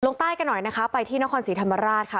ลงใต้กันหน่อยนะคะไปที่นครศรีธรรมราชค่ะ